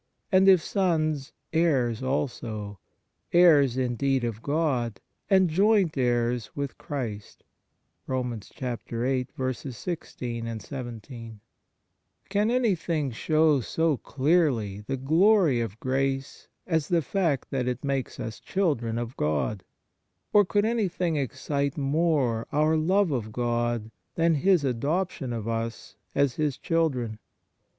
And if sons, heirs also ; heirs indeed of God, and joint heirs with Christ." 4 Can anything show so clearly the glory of grace as the fact that it makes us children of God ? Or could anything excite more our love of God than His adoption of us as His children